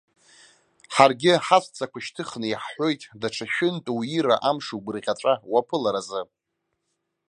Ҳаргьы ҳаҵәцақәа шьҭыхны иаҳҳәоит даҽа шәынтә уира амш угәырӷьаҵәа уаԥыларазы.